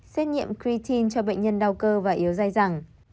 xét nhiệm creatine cho bệnh nhân đau cơ và yếu dai dẳng